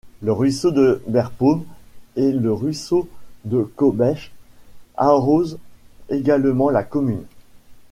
Le ruisseau de Berpaume et le ruisseau de Caubech arrosent également la commune.